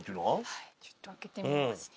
はいちょっと開けてみますね。